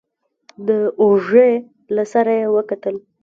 د اوږې له سره يې وکتل.